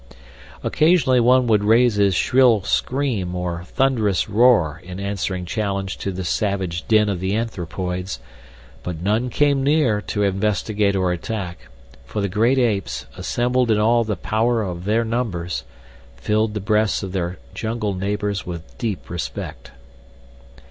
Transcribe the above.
Occasionally one would raise his shrill scream or thunderous roar in answering challenge to the savage din of the anthropoids, but none came near to investigate or attack, for the great apes, assembled in all the power of their numbers, filled the breasts of their jungle neighbors with deep respect.